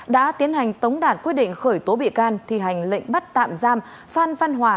đã tiến hành tống đạt quyết định khởi tố bị can thi hành lệnh bắt tạm giam phan văn hòa